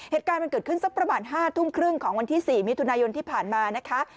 เหตุการณ์มันเกิดขึ้นสักประมาณ๕ทุ่มครึ่งของวันที่๔มิถุนายนที่ผ่านมานะคะ